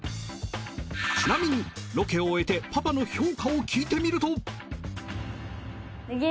ちなみにロケを終えてパパの評価を聞いてみると。